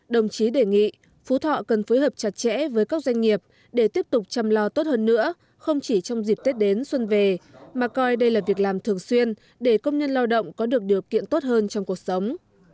đồng chí đề nghị phú thọ cần phối hợp chặt chẽ với các doanh nghiệp để tiếp tục chăm lo tốt hơn nữa không chỉ trong dịp tết đến xuân về mà coi đây là việc làm thường xuyên để công nhân lao động có được điều kiện tốt hơn trong cuộc sống